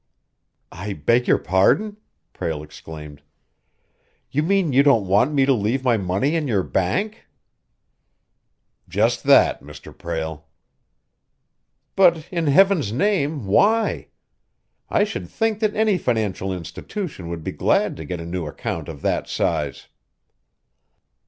"I beg your pardon!" Prale exclaimed. "You mean you don't want me to leave my money in your bank?" "Just that, Mr. Prale." "But in Heaven's name, why? I should think that any financial institution would be glad to get a new account of that size."